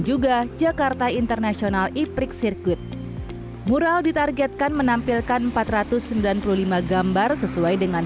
juga jakarta international e prix circuit mural ditargetkan menampilkan empat ratus sembilan puluh lima gambar sesuai dengan